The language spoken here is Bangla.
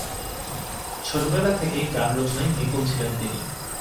ছোটবেলা থেকেই গান রচনায় নিপুণ ছিলেন তিনি।